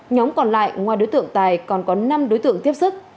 nhóm còn lại ngoài đối tượng tài còn có năm đối tượng tiếp sức